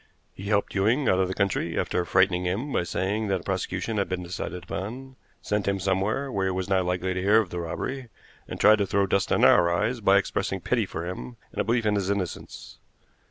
He helped Ewing out of the country, after frightening him by saying that a prosecution had been decided upon; sent him somewhere where he was not likely to hear of the robbery, and tried to throw dust in our eyes by expressing pity for him and a belief in his innocence."